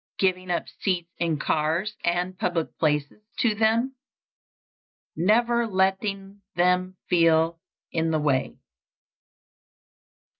_ Giving up seats in cars and public places to them. _Never letting them feel in the way.